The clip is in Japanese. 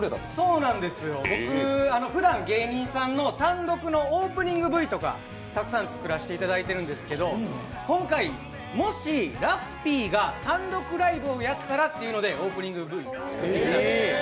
そうなんですよ、僕、ふだんは芸人さんの単独ライブのオープニングＶとかをたくさん作らせていただいてるんですけど今回、もしラッピーが単独ライブをやったらというのでオープニングＶを作ってみたんですけども。